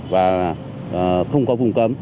và không có vùng cấm